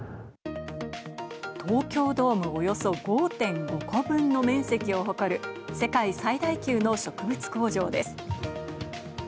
東京ドームおよそ５．５個分の面積を誇る、世界最大級の植物工場です。